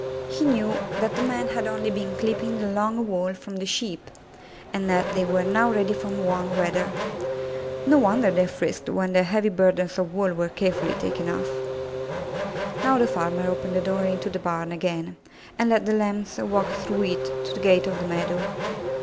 He knew that the men had only been clipping the long wool from the Sheep, and that they were now ready for warm weather. No wonder they frisked when their heavy burdens of wool were care fully taken off. Now the farmer opened the door into the barn again, and let the Lambs walk through it to the gate of the meadow.